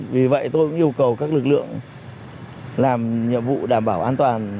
vì vậy tôi cũng yêu cầu các lực lượng làm nhiệm vụ đảm bảo an toàn